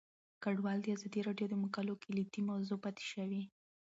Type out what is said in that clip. کډوال د ازادي راډیو د مقالو کلیدي موضوع پاتې شوی.